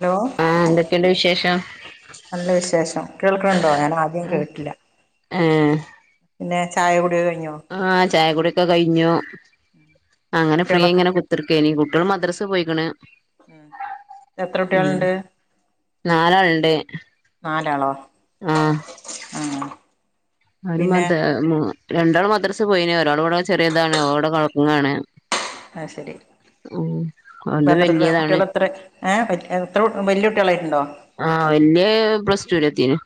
Hello ആഹ എന്തൊക്കെണ്ട് വിശേഷം നല്ല വിശേഷം കേൾക്കണുണ്ടോ ഞാൻ ആദ്യം കേട്ടില്ല ഏഹ് പിന്നെ ചായ കുടി കഴിഞ്ഞോ ആഹ ചായകുടിയോക്കെ കഴിഞ്ഞു അങ്ങനെ ഫ്രീ കുട്ടികളൊക്കെ ഇങ്ങനെ ക്കെനി കുട്ടികൾ മദ്രസ പോയിക്ക്ണ്. ഉം, എത്ര കുട്ട്യേളുണ്ട്? നാലാളുണ്ട്. ആഹ് ആഹ് ആരും മദ രണ്ടാള് മദ്രസ പോയിന് ഒരാൾ ഇവിടെ ചെറിയതാണ് ഓടെ കടങ്ങാണ്. ആ ശരി ഉം ഒന്ന് വല്യേതാണ്. ഏഹ് എത്ര കുട്ട്യേ വലിയകുട്ടിയാള യിട്ടുണ്ടോ. ആഹ് വല്യേൻ പ്ലസ്ടുലെത്തിന്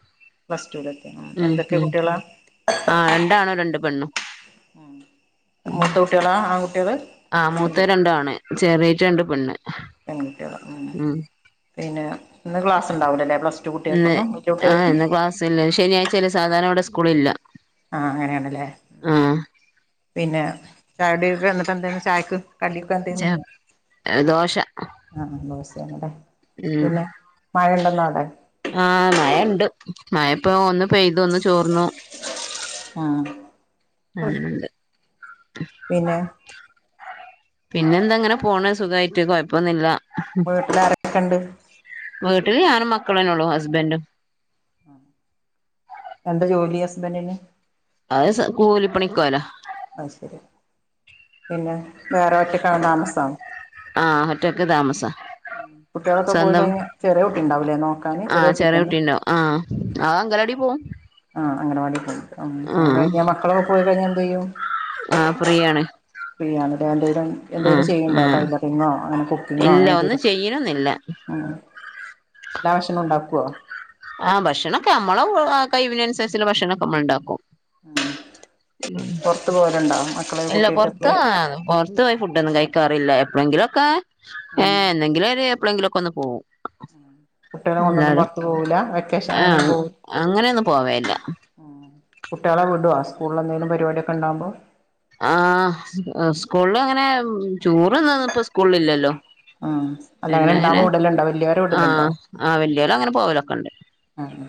പ്ലസ് ടുവിലെത്തിയോ ആ എന്തൊക്കെ കുട്ടിയാള ആഹ രണ്ടാണും, രണ്ട് പെണ്ണും. ഉം മൂത്ത കുട്ട്യേളാ ആണ്കുട്ടിയേള്. ആ മൂത്തത് രണ്ടും ആണ്, ചെറിയേറ്റ രണ്ടും പെണ്ണ്. പെൺകുട്ടിയേളാ, ഉം പിന്നെ, ഇന്ന് ക്ലാസ്ണ്ടാവൂലല്ലേ പ്ലസ് ടു കുട്ടികൾക്കൊന്നും വല്യേ കുട്ടിയേൾക്ക്. സുല്ലേ, ശനിയാഴ്ചേല് സാധാരണ ഇവിടെ സ്കൂളില്ല. ആഹ് അങ്ങനെയാണല്ലേ. ആഹ് പിന്നെ ചായുടിക്കെന്നിട്ട് എന്തേരന്നു ചായക്ക് കടിക്കാന്താരുന്നു ചെ ദോശ [unintelligible] ഉം പിന്നെ മഴണ്ടോന്നവിടെ. ആഹ് മയണ്ട്. മയപ്പോ ഒന്ന് പെയ്തു ഒന്ന് ചോർന്നു. ആഹ് ആഹ് ണ്ട് പിന്നെ [inaudible] പിന്നെന്താ ഇങ്ങനെ പോണ്, സുഖായിട്ട് കൊയപ്പൊന്നുല്ല. ഇങ്ങളെടുത്തരെക്കേണ്ട്. വീട്ടില് ഞാനും മക്കളുന്നെള്ളൂ ഹസ്ബൻഡ എന്താ ജോലി ഹസ്ബൻറിന്? അത് സ കൂലിപ്പണിക്കാരനാ അയ്ശേരി, പിന്നെ വേറെ ഒറ്റക്കാണോ താമസം. ആഹ ഒറ്റക്ക് താമസാ കുട്ട്യേളൊക്കെ പോയ്‌ സ്വന്തം കഴിഞ്ഞ് ചെറിയേ കുട്ടിണ്ടാവുലെ നോക്കാന് ആഹ് ചെറിയേ ചെറിയ കുട്ടില്ലേ. കുട്ടിണ്ടാവും ആഹ്, അത് അംഗലവാടി പോവും. ആഹ്, അങ്ങനവാടി പോയ്‌ ഉം അത് ആഹ് കഴിഞ്ഞ മക്കളൊക്കെ പോയി കഴിഞ്ഞ എന്തെയ്യും. ആഹ ഫ്രീ ആണ്. [unintelligible] എന്തെേലും ചെയ്യണ്ടോ ആഹ് ടൈലറിങ്ങോ അങ്ങനെ കുക്കിങ്ങോ ഇല്ല ഒന്നും അങ്ങനെന്തേലും. ചെയ്യണൊന്നില്ല എല്ലാ ഭഷണോം ഉണ്ടാക്കോ? ആഹ ഭക്ഷണൊക്കെ നമ്മളെ കയ്‌വിനനുസരിച്ചുള്ള ഭക്ഷണണൊക്കെ നമ്മൾ ഉണ്ടാക്കും. [inaudible] പുറത്ത് പോവലുണ്ടോ മക്കളെ ഇല്ല കൂട്ടിയിട്ട് പൊർത്ത എപ്പള് ആഹ പോറ് ത്തു പോയി ഫുഡ് ഒന്നും കഴിക്കാറില്ല എപ്പോളെങ്കിലൊക്കെ ഉം ഏഹ എന്നെങ്കിലും ഒര് എപ്പോളെങ്കിലും ഒക്കെ ഒന്ന് പോവും കുട്ടികളെ കൊണ്ടൊന്നും അല്ലാതെ പുറത്ത് പോകൂല്ല വെക്കേഷൻ ഏഹ്, അങ്ങ അങ്ങനെയൊന്നും പോവലില്ല കുട്ടിയേളെ വിടോ സ്കൂളിൽ എന്തെലും പരിപാടിയൊക്കെ ണ്ടാവുമ്പോ. ആഹ സ് സ്കൂളിലുങ്ങനെ [unintelligible] സ്കൂളില്ലല്ലോ ആഹ് അല്ല അങ്ങനെ പിന്നെങ്ങനെ ഉണ്ടാവുമ്പോ വിടലുണ്ടോ വല്യോരെ വിടലുണ്ടോ ആഹ ആ വല്യോലങ്ങനെ പോവലൊക്കണ്ട്. ആഹ്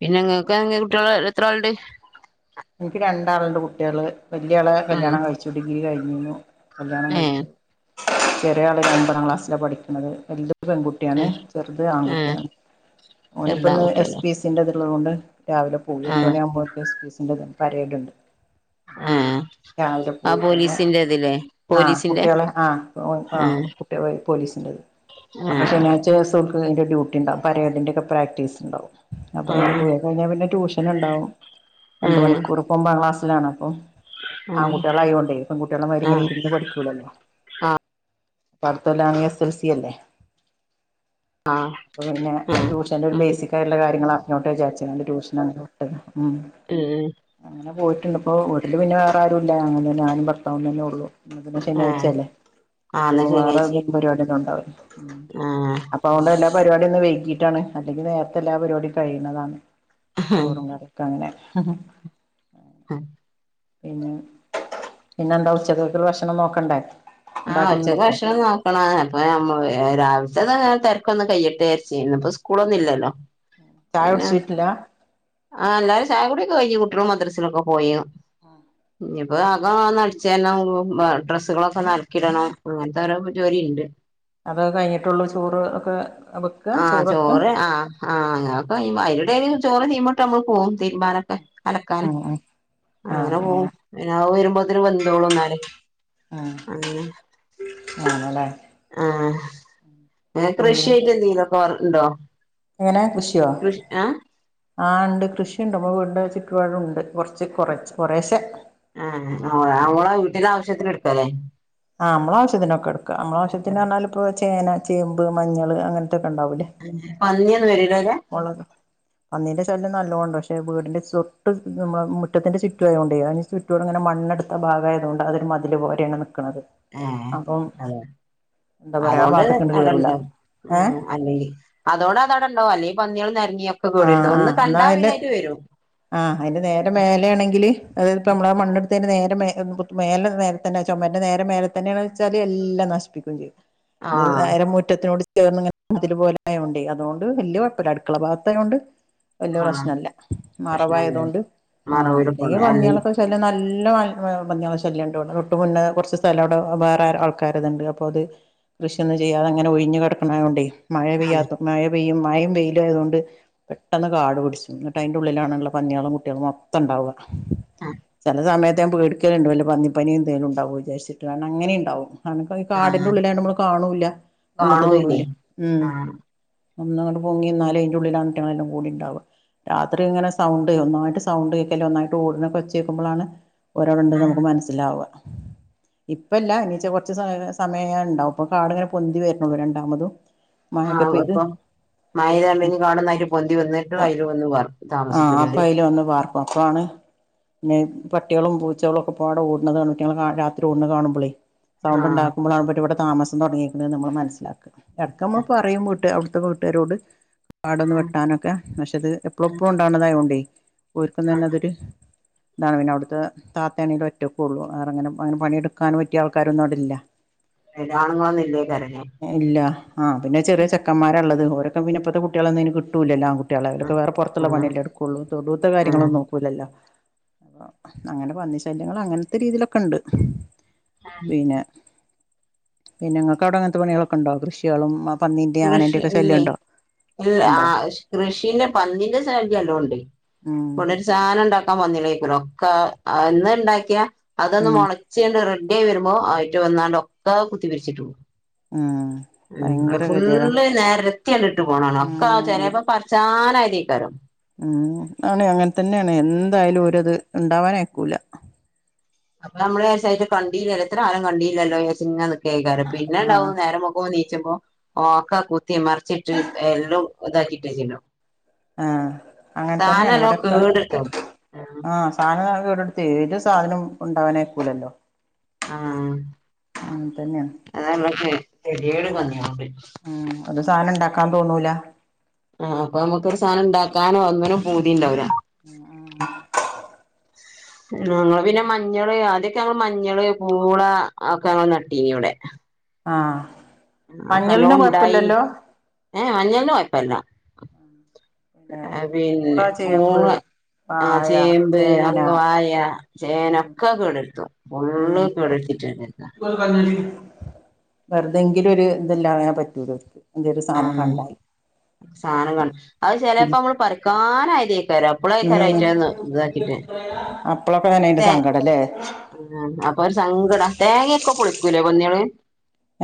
പിന്നെങ്ങക്കെങ്ങനെ കുട്ടിയേള് എത്ര ആളുണ്ട്? എനിക്ക് രണ്ടാളുണ്ട് കുട്ടിയോള് വല്യേ ആളെ ഉം കല്യാണം കഴിച്ചു ഡിഗ്രി കഴിഞ്ഞു കല്യാണം ഏ കഴിച്ചു. ചെറിയ ആള് ഒമ്പതാം ക്ലാസ്സിലാ പഠിക്കണത് രണ്ടും പെൺകു ഏ ചെറുത് ഏ ആൺകുട്ടിയാണ് ഓനിപ്പോ ചെറുതാ ഇന്ന് എസ് കുട്ടിയല്ലേ പി സി ന്റെത് ഉള്ളതോണ്ട് രാവിലെ പോകും ആ എട്ട് മണിയാവുമ്പോ എസ് പി സി ന്റെ പരേഡുണ്ട്. ആ രാവിലെ ആ പോയി പിന്നെ പോലീസിന്റെ ഇതില്ലേ ആഹ് പോലീസിന്റെ കുട്ടികളെ ആഹ് ആ [unintelligible] പോലീസിൻ്റേത് ഏഹ് കേസ് കൊടുക്കണേന്റെ ഡ്യൂട്ടി ഉണ്ടാവും പരേഡിന്റൊക്കെ പ്രാക്ടീസ് ഉണ്ടാകും അപ്പൊ ആ അയിന് പോ കഴിഞ്ഞാ പിന്നെ ട്യൂഷൻ ഇണ്ടാവും ആ രണ്ട് മണിക്കൂർ ഇപ്പം ഒൻപതാം ക്ലാസ്സിലാണ് അപ്പൊ ആൺകുട്ടികള് ആയോണ്ടേ ആ ആ പെൺകുട്ടികളെമാരിങ്ങനെ ഇരുന്ന് പഠിക്കൂലല്ലോ അടുത്ത കൊല്ലാണെങ്കി എസ് എൽ സി അല്ലേ ആഹ് അപ്പൊ പിന്നെ ആഹ് ട്യൂഷന്റെ ഒരു ഉം ബേസിക് വെറൊള്ളകാര്യങ്ങൾ അറിഞ്ഞോടെന്ന്ചാണ്ട് ട്യൂഷന് അങ്ങനെ വിട്ടതാ [unintelligible] അങ്ങനെ പോയിട്ടുണ്ട് ഇപ്പോ വീട്ടില് പിന്നെ വേറെ ആരും ഇല്ല അങ്ങനെന്നെ ഞാനും ഭർത്താവും തന്നെ ഉള്ളു ആഹ് ശനിയാഴ്ചയല്ലേ ആഹ് ഇന്ന് സ്കൂള് മാറാൻ ശനിയാഴ്ചേ ഉള്ള പരിപാടി നോക്കാല്ലോ ആഹ് ഇപ്പൊ അവർടെ എല്ലാ പരിപാടിയും ഒന്ന് വൈകീട്ടാണ് അല്ലെങ്കിൽ നേരത്തെ എല്ലാ പരിപാടിയും കഴിണതാണ് ചോറും കറിയു അങ്ങനെ ഹ് ആഹ് പിന്നെ പിന്നെന്താ ഉച്ചക്കത്തേക്കുള്ള ഭക്ഷണം നോക്കണ്ടേ ആഹ് ഉണ്ടാക്കുന്നുണ്ടോ ഉച്ചക്ക് ഇപ്പൊ ഭക്ഷണം നോ ആഹ് അപ്പ രാവിലത്തെ തിരക്കൊന്ന് കൈയ്ട്ടേ വിചാരിച്ച് ഇന്നിപ്പോ സ്കൂളൊന്നുംല്ലല്ലോ ചായ കുടിച്ചിട്ടില്ല അ എല്ലാരും ചായ കുടിയൊക്കെ കഴിഞ്ഞ് കുട്ടിയോള് മദ്രസിലൊക്കെ പോയ് ഇഞ്ഞിപ്പോ അകംഒന്നടിച്ചാരണം ഡ്രസ്സുകളൊക്കെ അലക്കിടണം അങ്ങനത്തോരോ ജോലി ഇണ്ട് അതൊക്കെ കഴിഞ്ഞിട്ടുള്ളു ചോറ് ഒക്കെ വെക്കുക ആഹ് ചോറൊക്കെ ചോറ് ആഹ് ആഹ് ഞങ്ങക്ക് അതിനിടേല് ചോറ് തിമോട്ട് നമ്മള് പോകും തിരുമ്മാന് അലക്കാന് ഉം ഉം അങ്ങനെ പോകും പിന്നെ അഹ് വരുമ്പോത്തിന് വെന്തോളുംന്നാല്ല് അങ്ങനെ അങ്ങനെ ആഹ് കൃഷിയായിട്ട് എന്തെങ്കിലും ഒക്കെ ഉണ്ടോ എങ്ങനെ കൃഷിയോ കൃഷി ആഹ് ആഹ് ഉണ്ട് കൃഷിയുണ്ട് നമ്മൾ വീടിന്റെ ചുറ്റുപാടും ഇണ്ട് കുറച്ച് കുറച്ച് കുറേശ്ശെ ആഹ് അവ നമ്മളെ വീട്ടിലെ ആവശ്യത്തിന് എടുക്കല് ആ മളെ ആശ്യത്തിനൊക്കെ എടുക്ക ആഹ് നമ്മളെ ആവശ്യത്തിന് ഒക്കെയാ എടുക്കുക നമ്മളെ ആവശ്യത്തിന് പറഞ്ഞാല് ഇപ്പോ ചേന ചേമ്പ് മഞ്ഞൾ അങ്ങനത്തൊക്കെയുണ്ടാവൂലേ പന്നിയൊന്നും വരൂല്ല അല്ലേ മൊളക് പന്നീന്റെ ശല്യം നല്ലോണം ഉണ്ട് പക്ഷെ വീടിന്റെ തൊട്ട് നമ്മ മുറ്റത്തിന്റെ ചുറ്റുവയത്കൊണ്ടേ അവടെ അങ്ങനെ മണ്ണെടുത്ത ഭാഗമായതുകൊണ്ട് അതൊരു മതില് പോലെയാണ് നിക്ക്ണത് ഏഹ് അതെ എന്താ പറയാ ആ അതുകൊണ്ട് ഭാഗത്ത്ക്കണ്ട് കേറൂല അവിടുണ്ടാവും ഏഹ് ഉം അങ്ങേര് അതോട അത് അവടുണ്ടാവും അല്ലെങ്കി പന്നികൾ നിരങ്ങിയൊക്കെ കേടുവരു ആഹ് ഒന്ന് ആഹ് എന്നാ കണ്ടാ അതിന്റെ പിന്നെ അയിലെ വരും ആഹ് അയിന്റെ നേരെ മേലെ ആണെങ്കിൽ അതായത് ഇപ്പൊ നമ്മള് മണ്ണെടുത്തന് നേരെ മേലെ മേലെ നേരത്തന്നെ ചുമരിന്റെ നേരെ മേലെ തന്നെയണ്ച്ചാല് എല്ലാം നശിപ്പിക്കുവേം ചെയ്യും ആഹ് നേരേ മുറ്റത്തിനോട് ചേർന്നങ്ങനെ മതില് പോലെആയോണ്ടെ ‌വലിയ കുഴപ്പവില്ല അടുക്കള ഭാഗ ണ്ട് വല്യ ആഹ് പ്രശ്നില്ല പ്രശ്നല്ലേ മറവായതോണ്ട് ആഹ് മറവില് കൊണ്ട് അല്ലെങ്കിൽ പന്നികളൊക്കെ പിന്നെ നല്ല പന്നികളെ ശല്യോണ്ട്‌ തൊട്ട് മുന്നേ കുറച്ച് സ്ഥലം അവിടെ വേറെ ആൾക്കാര്ത്ണ്ട് അപ്പൊ അത് കൃഷിയൊന്നും ചെയ്യാത അങ്ങനെ ഒഴിഞ്ഞ കിടക്കണതുകൊണ്ടേ മഴ ആഹ് പെയ്യാത്ത മഴ പെയ്യും മഴയും വെയിലും ആയതുകൊണ്ട് പെട്ടെന്ന് കാടു പിടിച്ചു എന്നിട്ട് അയിൻന്റെ ഉള്ളിലാണ് പന്നിയോളും കുട്ടികളും മൊ ത്തണ്ടാവുക ആഹ് ചില സമയത്ത് ഞാൻ പീടി ക്കെണ്ട് വല്ല പന്നിപനി തേലുംണ്ടാവിച്ചിരിച്ചിട് വേണം അങ്ങനെ ഉണ്ടാവും അങ്ങനെ ഈ കാടിന്റെ ആഹ് ഉള്ളിലായിണ്ട് നമ്മള് കാണൂല്ല മുന്നിത്തെ കാണൂല്ലേ തൊടൂല ഉം ആഹ് ഒന്ന് അങ്ങട്ട് പോങ്ങിന്നാലേ അയിന്റെഉള്ളിലണ് അയിറ്റങ്ങളെല്ലാം കൂടി ഇണ്ടാവ രാത്രി ഇങ്ങനെ സൗണ്ട് ഒന്നായിട്ട് സൗണ്ട് കേൾക്കല്ലേ ഒന്നായിട്ട് ഓടിനൊക്കെച്ചേക്കുമ്പളാണ് ഒരാളിണ്ട്ന്ന് നമുക്ക് മനസ്സിലാവ ഇപ്പല്ല ഇനിച്ചാ കൊറച്ച് സമയ സമയം ഇണ്ടാവും ഇപ്പൊ കാട് ഇങ്ങനെ പൊന്തി വരനൊള്ളു രണ്ടാമത് ആ അപ്പം മയയെത്ങ്കാട് കാടൊന്നായ് പൊന്തി വന്നിട്ട് അയ്ല് വന്ന് വർ ആഹ് താമസിക്കൂലേ അപ്പൊ ഓര് അയില് വന്ന് പാർ പത്താണ് പിന്നെ പട്ട്യേളും പൂച്ചേളും ഒക്കെ പാടെ ഓടുണത് കണ്ട്ട്ടെ ഞങ്ങള് രാത്രി ഓടണത് കാണുമ്പളേ സൗണ്ട് ആഹ് ഇണ്ടാക്കുമ്പളാവുമ്പൊ ഇബര് ഇവടെ താമസം തൊടങ്ങിക്ക്‌ണ്ന്ന് നമ്മള് മനസ്സിലാക്ക ഇടക്ക്‌ നമ്മള് പറയും വീട്ട് അവ്ട്ത്തെ വീ ട്ടാരോട് അവടൊന്ന് ആഹ് വെട്ടാനൊക്കെ പക്ഷെ ഇത് എപ്പളും എപ്പളും ആഹ് ഇണ്ടാവണതായോണ്ടേ ഓര്ക്കും തന്നെ അതൊരു ഇതാണ് പിന്നെ അവിടുത്തെ താത്തേണേലും ഒറ്റക്കൊള്ളൂ വേറങ്ങനെ ങ്ങനെ പണിയെടുക്കാൻ പറ്റിയ ആൾക്കാരൊന്നും അവടെല്ല യന്റെ ആണുങ്ങളൊന്നുല്ലേ പെരേല് ഇല്ല ആ പിന്നെ ചെറ്യേ ചെക്കൻമാര ഇള്ളത് ഓരൊക്കെ പിന്നെപ്പത്തെ കുട്ട്യേളൊന്നും അയ്ന് കിട്ടൂലല്ലോ ആങ്കു കുട്ട്യേളെല്ലെ ഉം. ലൊക്കെ വേറെ പൊറത്ത്ള്ള പണി ഉം അല്ലെ ഇടുകൊള്ളൂ തൊടുത്തെ ഉം കാര്യങ്ങളൊന്നും നോക്കൂലല്ല അങ്ങനെ പന്നി ശല്യങ്ങള് അങ്ങൻത്തെ രീതിയിലൊക്കെണ്ട് പിന്നെ പിന്നെങ്ങക്ക് അവിടെ ഇങ്ങനത്തെ പണ്യേളൊക്കെണ്ടോ കൃഷ്യെളും പന്നിന്റെ ആനന്റെ കൃഷി ഒക്കെ ശല്യം ഇണ്ടോ ഇണ്ടോ കൃഷിനെ പന്നിന്റെ ശല്യം നല്ലോണ്ട് ഉം ഇവടൊ ചാന ഇണ്ടാക്കാൻ വന്നിലിപ്രോ ഒക്കെ ഇന്നണ്ടാക്കിയാ അതൊന്ന് ഉം മൊള വെച്ചെയ്ന് റെഡിയായി വരുമ്പോ അയ്റ്റെ വന്നാണ്ട് ഒക്കെ കുത്തി പിരിച്ചിട്ടു ഉം ഭയങ്കര വെ എല്ലാം നെരത്തിങ്ങട്ട് ഇട്ട് പോണാണ ഒക്കെ ഉം ചെലേപ്പൊ പറച്ചാനായതേക്കാരം ഉം ആണ് അങ്ങനെ തന്നാണ് എന്തായാലും ഓരത് ഇണ്ടാവാനയക്കൂല അപ്പൊ നമ്മള് വിചാരിച്ചും കണ്ടീലല്ലോ ഇത്ര കാലം കണ്ടീലല്ലോ വ്ചാരിച്ചു ഇങ്ങനെ നിക്കേകാരം പിന്നെ ആഹ് ഇണ്ടാവും നേരംവെ ഇപ്പൊ നീച്ച്മ്പൊ ഒക്ക കുത്തി മറിച്ചിട്ട് എല്ലാം താക്കിട്ട് ചെല്ലോ. ആഹ് അങ്ങൻതന്നാണ് ഇവിടെപ്പം കേടെടുത്തു ആഹ് ശ് സാനം കേടര്ത്തെ ഏത് സാധനം ഇണ്ടാവാനയക്കൂലല്ലോ ആഹ് തന്നെയാണ് അതാണ് ഇങ്ങക്ക് കെത്യേട് പന്നേയ്ളോണ്ട് ഉം ഒരു സാനോം ഇണ്ടാക്കാൻ തോന്നൂല ആഹ് അപ്പൊ നമക്ക് ഒരു സാനം ഇണ്ടാക്കാനോ ഒന്നിനും പൂതി ഇണ്ടാവൂല ഉം ഞങ്ങള് പിന്നെ മഞ്ഞള് ആദ്യൊക്കെ ഞങ്ങള് മഞ്ഞള് പൂള അതൊക്കെ ഞങ്ങള് നട്ടീന്ന് ഇവിടെ ആഹ് അതൊക്കെ നല്ലോം മഞ്ഞളിന്റെ ഉണ്ടായിനി കൊഴപ്പല്ലല്ലോ? ഏഹ് മഞ്ഞൾന് കൊയപ്പല്ല പിന്നെ പിന്നെ പൂള ചേമ്പ് പൂളെ ആഹ് വാഴ ചേമ്പ് ചേന ഒക്കെ വായ ഉം ചേനൊക്കെ കേടെര്ത്തും ഫുള്ള് ഉം കേടെര്ത്തീട്ട്രിക്ക വെറുതെങ്കിലും ഒരു ഇതല്ലാതെ പറ്റൂലാ ര്ക്ക് ആഹ് സാനംള്ളോണ്ട് അത് ഉം ചെലേപമ്മള് പറിക്കാനായതേ- ഉം അപ്പളാക്കാരയ്ന്റെ സങ്കടല്ലേ ആഹ് അപ്പൊ ഒരു സങ്കട തേങ്ങൊക്കെ പൊളിക്കൂലേ പന്നേള്?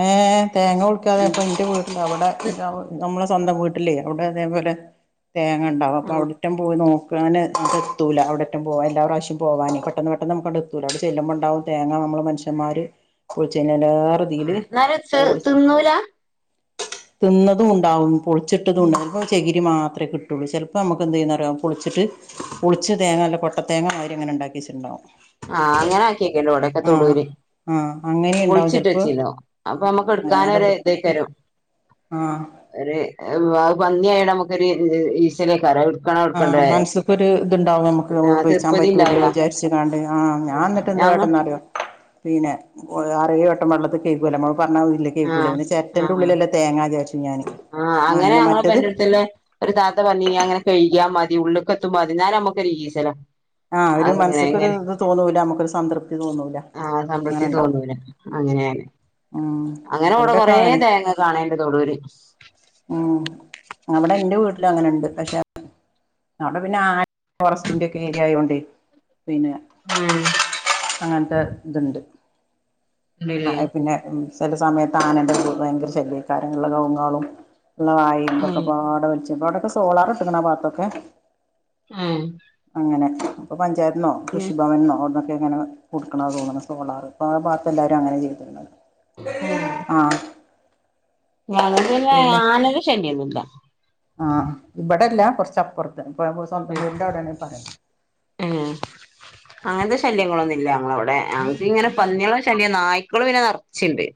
ഏ തേങ്ങ പൊളിക്കാതെ അപ്പൊ ന്റെ വീട്ടില് അവിടെ ന്റെ നമ്മളെ സ്വന്തം വീട്ടിലേ അവടെ ഇതേപോലെ തേങ്ങ ഇണ്ടാവും അപ്പ ഉം അവട് റ്റം പോയി നോക്കാന് അങ്ങട്ട് എത്തൂല്ല അവിടെറ്റം പോവാ എല്ലാ പ്രാവശ്യം പോവാനേ പെട്ടന്ന് പെട്ടന്ന് നമ്മക്ക് എത്തൂല അവടെ ചെല്ലുമ്പോ ഇണ്ടാവും തേങ്ങ നമ്മള് മനുഷ്യന്മാര് പൊളിച്ചേനേലേറെ ഇതില് ഇന്നാലും പൊളിച്ച് തിന്നൂല്ല തിന്നതും ഇണ്ടാവും പൊളിച്ചിട്ടതുണ്ടാവും ചകിരി മാത്രെ കിട്ടൊള്ളൂ ചെലപ്പോ നമുക്ക് എന്തെയ്യുന്നറിയോ പൊളിച്ചിട്ട് പൊളിച്ച് തേങ്ങ നല്ല കൊട്ടത്തേങ്ങമാരി അങ്ങനെ ഇണ്ടാക്കെച്ചിട്ട്ണ്ടാവും ആ അങ്ങനെ ആക്കിയക്കല് ഇവടൊക്കെ തൊടൂല് ആഹ് അങ്ങനെ ഉണ്ടാവും ചിലപ്പോ പൊളിച്ചിട്ടെച്ചീണോ അപ്പൊ ആഹ് നമ്മുക്ക് അങ്ങനെ നല്ല ഇട്ക്കാനൊര് വൃത്തി ഇതേക്കാരം ആഹ് ഒരു വാ അത്‌ പന്നിയായോണ്ട് നമുക്കൊരു ഈചലേക്കാരം അത്‌ ആഹ് മനസ്സ്ക്കൊരു ഇത്ണ്ടാവും നമക്ക് ആഹ് ഉപയ്ച്ചാൻ തിർപ്പതി പറ്റൂല്ലോ ഇണ്ടാവൂല വിചാരിച്ച് ജികാണ്ട് ആ ഞാൻ ഇന്നിട്ട് എന്ത ഞങ്ങ കാട്ടന്നറിയോ പിന്നെ ആറേഴ്‌ വട്ടം വെള്ളത്തിൽ കെയ്കൂലേ ഞമ്മള് പറഞ്ഞാ മതീലേ കെയ്കൂലേ ആഹ് പിന്നെ ചെരട്ടൻ്റെ ആഹ് ഉള്ളിലെല്ലേ തേങ്ങാ വിചാരിച്ച് ആഹ് അങ്ങനെ ഞങ്ങളെ പെരെന്റെടുത്തള്ളെ ഒരു താത്ത പറഞ്ഞീനി അത്‌ ഇങ്ങനെ കെഴ്‌കിയാ മതി ഉള്ള്ക്കെത്തും മതി ഇന്നാലും ഞമ്മക്ക് ഒരു ഈസലാ ആഹ് ഒരു അങ്ങനെ മനസ്സക്കൊരു എങ്ങനെ ഇത് തോന്നൂല നമുക്കൊരു സംതൃപ്തി തോന്നൂല ആഹ് സംതൃപ്തി അങ്ങനെണ്ടാവും തോന്നൂല ഉം അങ്ങനേയണ് ഉം അങ്ങനെ ഇവിടെ അവിടെക്കെ കൊറേ അങ്ങനെ തേങ്ങ കാണേണ്ട് തൊടൂര് ഉം അവിടെ ഇന്റെ വീട്ടില് അങ്ങനെ ഇണ്ട് പക്ഷെ അവിടെ പിന്നെ ആ [unintelligible] ഫോറസ്റ്റിന്റെ ഒക്കെ ഏരിയ ആയോണ്ട് പിന്നെ ആഹ് അങ്ങനത്തെ ഇതുണ്ട് ആ ഉണ്ടല്ലേ ഉം പിന്നെ ചില സമയത്ത് ആനന്റ ഭയങ്കര ശല്യേക്കാരം ഇള്ള കൗങ്ങാളും ഉള്ള വാഴേ ന്തൊക്കെ ആഹ് പാട വെലിച്ച ഇപ്പ അവിടൊക്കെ സോളാർ ഇട്ട്ക്ക്ണ് ആ ഭാഗത്തൊക്കെ ഏഹ് അങ്ങനെ ഇപ്പൊ പഞ്ചായത്തിന്നോ കൃഷിഭവൻന്നോ അവിടെ അങ്ങനെ കൊടുക്കണ തോന്നണ് സോളാറ് ഇപ്പോ ആ ഭാഗത്ത് എല്ലാവരും അങ്ങനെ ചെയ്ത്ക്ക്ണത് ഉം ഞങ്ങക്ക് പിന്നെ ആനടെ ശല്യം ഒന്നും ഇല്ല ആഹ് ഇബടെല്ല കുറച്ച് അപ്പുറത്ത് ഇപ്പ സ്വന്തം വീടിന്റെ അവിടെയാണ് പറയുന്നേ ഏഹ് അങ്ങനത്തെ ശല്യങ്ങളൊന്നും ഇല്ല ഞങ്ങളവിടെ ഞാങ്ങക്കിങ്ങനെ പന്ന്യാളെ ശല്യം നായ് ക്കള് പിന്നെ നെറച്ച്ണ്ട്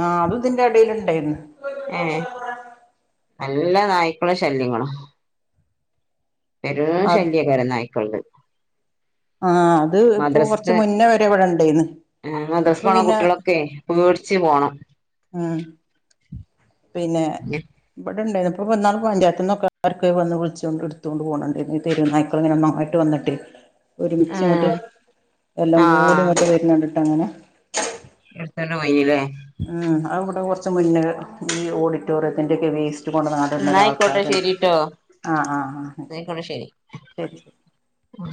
ആഹ് അതും ഇതിന്റെ എടേലുണ്ടേരുന്ന് ഏഹ് നല്ല നായ്ക്കളും ശല്യങ്ങളും പെരും അത് ശല്യേക്കാരം നായിക്കള്ത് ആഹ് അത് ഇപ്പൊ കൊറച്ച് മുന്നേ വരെ ഇവിടെ ഇണ്ടേന്ന് ആ മദറസ് പോണ കുട്ട്യാളൊക്കെ പേടിച്ചു പോണം ആഹ് പിന്നെ [unintelligible] ഇവിടെണ്ടായിന് ഇപ്പൊ പഞ്ചായത്തിന്നൊക്കെ അർക്ക് വന്ന് വിളിച്ചൊണ്ട് എടുത്തോണ്ട് പോണണ്ടായി തെരുവു നായ്ക്കള് ഇങ്ങനെ ഒന്നായിട്ട് വന്നിട്ട് ഒരുമിച്ച് ഇങ്ങട്ട് ആഹ് എല്ലം കൂടി ആഹ് ഇങ്ങട്ട് വരുന്നണ്ട്ട്ട് അങ്ങനെ എടുതോണ്ട് പോയിനി ലെ ഉം അത്‌ ഇവിടെ കുറച്ച് മുന്നേ ഈ ഓഡിറ്റോറിയത്തിന്റൊക്കെ വേസ്- റ്റ് കൊണ്ടന്നു അങ്ങണ്ട് എന്നാ ഇടുന്ന ആയിക്കോട്ടെ ആൾക്കാരുണ്ട് ശരിട്ടോ ആഹ് ആഹ് അയിക്കോട്ടെ ശരി ഉം